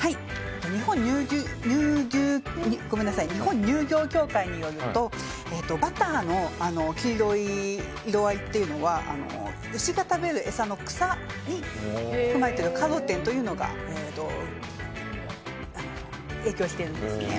日本乳牛協会によるとバターの黄色い色合いというのは牛が食べる餌の草に含まれているカロテンというのが影響しているんですね。